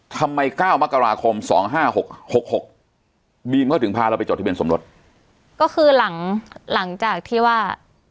ทำไมเก้ามกราคมสองห้าหกหกหกบีมเขาถึงพาเราไปจดทะเบียนสมรสก็คือหลังหลังจากที่ว่า